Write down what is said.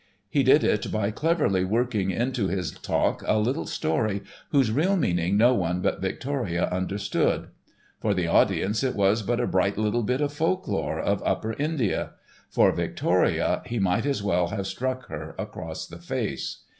He did it by cleverly working into his talk a little story whose real meaning no one but Victoria understood. For the audience it was but a bright little bit of folk lore of upper India. For Victoria, he might as well have struck her across the face.